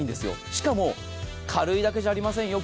しかも軽いだけじゃありませんよ。